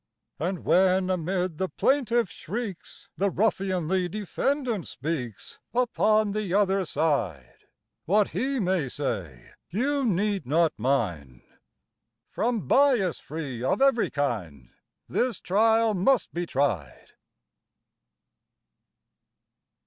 And when amid the plaintiff's shrieks, The ruffianly defendant speaks— Upon the other side; What he may say you need not mind— From bias free of every kind, This trial must be tried!